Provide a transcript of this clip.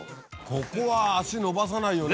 ここは足延ばさないよね。